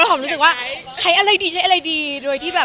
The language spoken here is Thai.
ความรู้สึกว่าใช้อะไรดีใช้อะไรดี